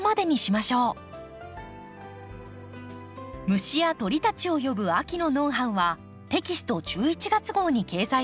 虫や鳥たちを呼ぶ秋のノウハウはテキスト１１月号に掲載されています。